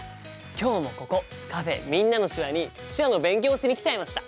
今日もここカフェ「みんなの手話」に手話の勉強をしに来ちゃいました！